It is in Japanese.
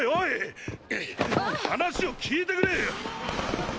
話を聞いてくれ！